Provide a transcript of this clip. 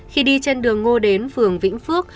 khi đi trên đường ngô đến phường vĩnh phước